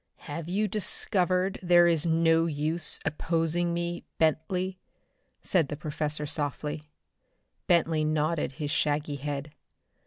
"Have you discovered there is no use opposing me, Bentley?" said the professor softly. Bentley nodded his shaggy head.